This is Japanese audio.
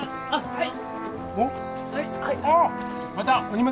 はい！